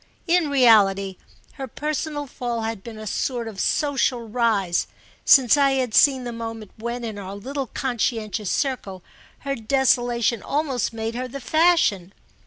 In reality her personal fall had been a sort of social rise—since I had seen the moment when, in our little conscientious circle, her desolation almost made her the fashion.